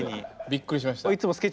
びっくりしました。